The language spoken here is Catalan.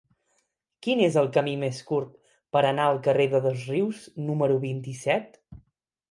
Quin és el camí més curt per anar al carrer de Dosrius número vint-i-set?